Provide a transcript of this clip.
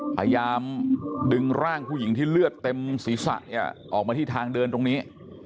พยายามดึงร่างผู้หญิงที่เลือดเต็มศีรษะเนี่ยออกมาที่ทางเดินตรงนี้